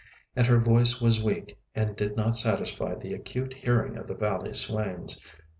And her voice was weak and did not satisfy the acute hearing of the valley swains.